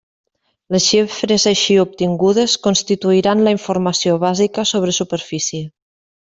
Les xifres així obtingudes constituiran la informació bàsica sobre superfície.